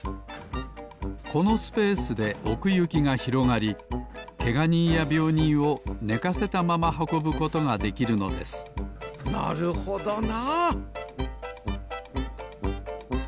このスペースでおくゆきがひろがりけがにんやびょうにんをねかせたままはこぶことができるのですなるほどな。